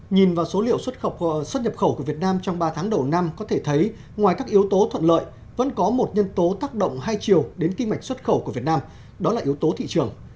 nhìn vào số liệu xuất nhập khẩu của việt nam trong ba tháng đầu năm có thể thấy ngoài các yếu tố thuận lợi vẫn có một nhân tố tác động hai chiều đến kinh mạch xuất khẩu của việt nam đó là yếu tố thị trường